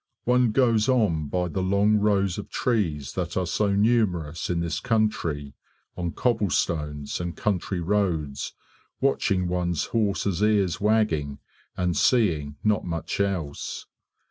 One goes on by the long rows of trees that are so numerous in this country, on cobblestones and country roads, watching one's horses' ears wagging, and seeing not much else.